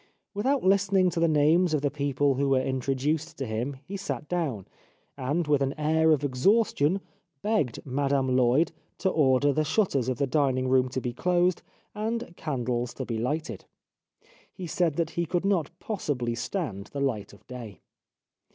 Without listening to the names of the people who were introduced to him he sat down, and with an air of ex haustion begged Madame Lloyd to order the T 289 The Life of Oscar Wilde shutters of the dining room to be closed and candles to be lighted. He said that he could not possibly stand the light of day.